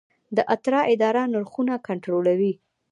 د اترا اداره نرخونه کنټرولوي؟